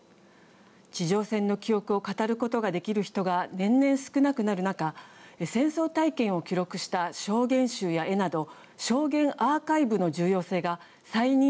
地上戦の記憶を語ることができる人が年々少なくなる中戦争体験を記録した証言集や絵など証言アーカイブの重要性が再認識されています。